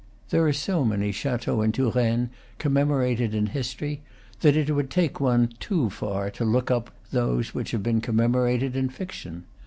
There are so many chateaux in Touraine commemorated in history, that it would take one too far to look up those which have been com memorated in fiction.